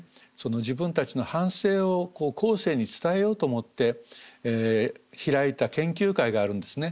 自分たちの反省を後世に伝えようと思って開いた研究会があるんですね。